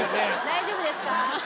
大丈夫ですか？